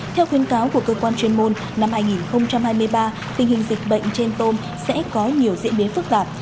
theo khuyến cáo của cơ quan chuyên môn năm hai nghìn hai mươi ba tình hình dịch bệnh trên tôm sẽ có nhiều diễn biến phức tạp